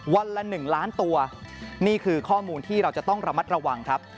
วันละ๑ล้านตัวนี่คือข้อมูลที่เราจะต้องระมัดระวังครับ